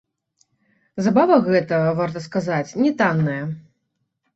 Забава гэта, варта сказаць, не танная.